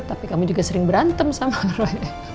tapi kami juga sering berantem sama roy